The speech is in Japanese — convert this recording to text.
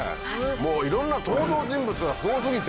もういろんな登場人物がすご過ぎて。